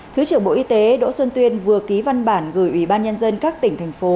thứ trưởng bộ y tế đỗ xuân tuyên vừa ký văn bản gửi ủy ban nhân dân các tỉnh thành phố